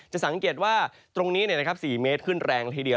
จะสังเกตุว่าตรงนี้นะครับ๔เมตรคลื่นแรงที่เดียว